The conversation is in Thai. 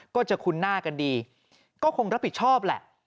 คุ้นหน้ากันดีก็คงรับผิดชอบแหละ